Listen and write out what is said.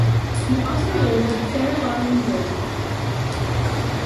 He has also lived in Fair Lawn, New Jersey.